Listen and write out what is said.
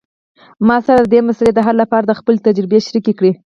ما سره د دې مسئلې د حل لپاره خپلې تجربې شریکي کړئ